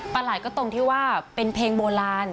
หลาดก็ตรงที่ว่าเป็นเพลงโบราณ